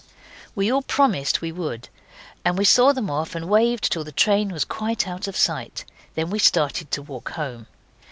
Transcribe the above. We all promised we would. And we saw them off and waved till the train was quite out of sight. Then we started to walk home.